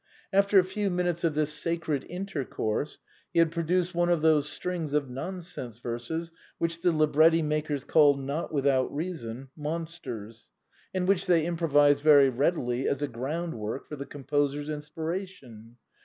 After a few minutes of this sacred intercourse, he had produced one of those strings of non sense verses which the Ziôre ffi makers call, not without reason, monsters, and which they improvise very readily as a ground work for the composer's inspiration.